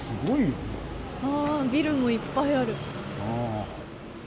あビルもいっぱいある。